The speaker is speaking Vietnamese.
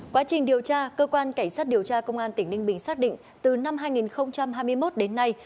quá trình điều tra cơ quan cảnh sát điều tra công an tỉnh ninh bình xác định từ năm hai nghìn hai mươi một đến nay